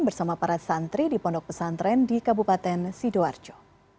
bersama para santri di pondok pesantren di kabupaten sidoarjo